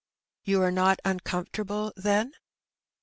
" You are not uncomfortable, then